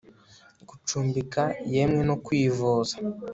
gucumbika yemwe no kwivuza